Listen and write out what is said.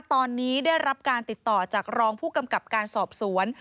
ตอนนี้ได้รับการติดต่อจากรองผู้กำกับการสอบสวน